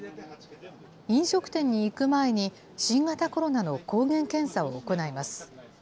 飲食店に行く前に新型コロナの抗原検査を行います。